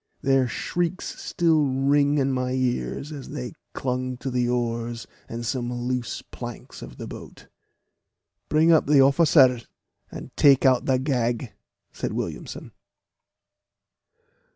Their shrieks still ring in my ears as they clung to the oars and some loose planks of the boat. "Bring up the officer, and take out the gag," said Williamson.